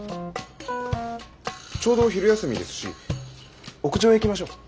ちょうど昼休みですし屋上へ行きましょう。